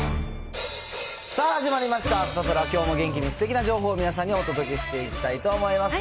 さあ始まりました、サタプラ、きょうも元気にすてきな情報を皆さんにお届けしていきたいと思います。